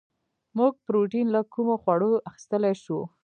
موږ پروټین له کومو خوړو اخیستلی شو